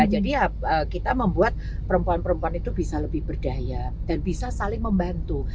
jadi ya kita membuat perempuan perempuan itu bisa lebih berdaya dan bisa saling membantu